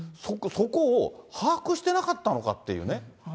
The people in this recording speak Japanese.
そこを把握してなかったのかっていうね。